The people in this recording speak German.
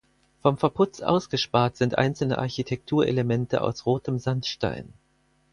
Vom Verputz ausgespart sind einzelne Architekturelemente aus rotem Sandstein.